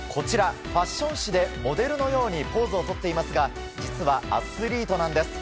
ファッション誌でモデルのようにポーズをとっていますが実はアスリートなんです。